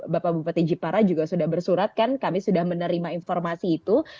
bapak bupati jipara juga sudah bersurat kan kami sudah menerima informasi itu